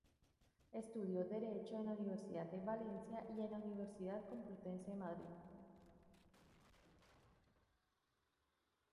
Estudió derecho en la Universidad de Valencia y en la Universidad Complutense de Madrid.